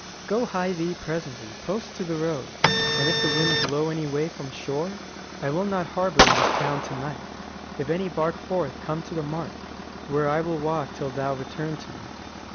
Ant. S. Go hie thee presently, post to the road: 145 An if the wind blow any way from shore, I will not harbour in this town to night: If any bark put forth, come to the mart, Where I will walk till thou return to me.